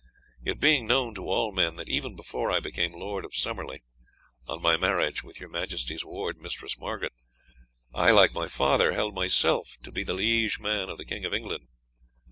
It being known to all men that even before I became Lord of Summerley, on my marriage with your majesty's ward, Mistress Margaret, I, like my father, held myself to be the liege man of the King of England.